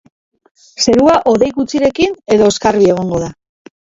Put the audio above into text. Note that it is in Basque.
Zerua hodei gutxirekin edo oskarbi egongo da.